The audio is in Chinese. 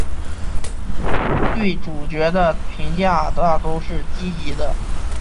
对主角的评价大都是积极的。